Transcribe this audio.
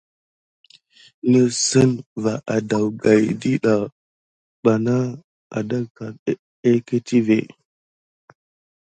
Ne kuna vase adaougayaba dida mbana adagran egətivé.